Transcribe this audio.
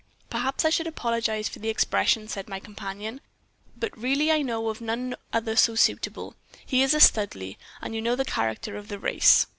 "'Perhaps I should apologize for the expression,' said my companion, 'but really I know of none other so suitable. He is a Studleigh, and you know the character of the race.'